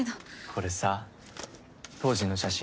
これさ当時の写真